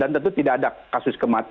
nuntau di daerah apa yang harus dipahami